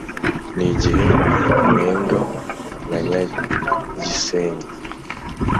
N’ igihe cya Mwendo na Nyagisenyi